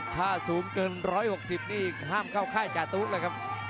ถ้าสูงเกิน๑๖๐นี่ห้ามเข้าค่ายจาตุ๊ดเลยครับ